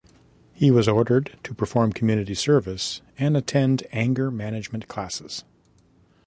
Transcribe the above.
He was ordered to perform community service and attend anger management classes.